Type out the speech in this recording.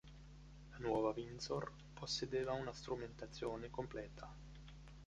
La nuova Windsor possedeva una strumentazione completa.